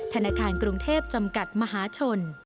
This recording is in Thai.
ธนาคารกรุงเทพจำกัดมหาชน